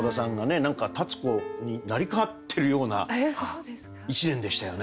何か立子に成り代わってるような１年でしたよね。